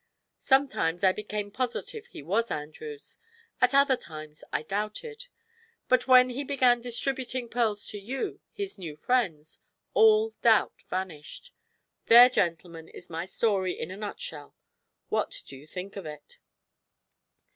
Sometimes I became positive he was Andrews; at other times I doubted. But when he began distributing pearls to you, his new friends, all doubt vanished. There, gentlemen, is my story in a nutshell. What do you think of it?"